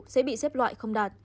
sẽ bị xếp loại không đạt